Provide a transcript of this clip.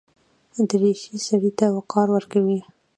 دریشي سړي ته وقار ورکوي.